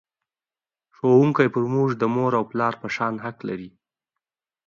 ښوونکی پر موږ د مور او پلار په شان حق لري.